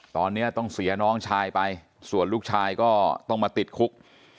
ตอนนี้ต้องเสียน้องชายไปส่วนลูกชายก็ต้องมาติดคุก